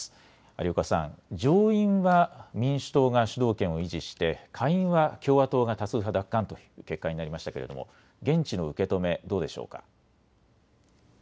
有岡さん、上院は民主党が主導権を維持して下院は共和党が多数派奪還という結果になりましたけど現地の受け止め、どうでしょうか。